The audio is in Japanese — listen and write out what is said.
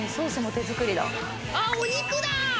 あっお肉だ！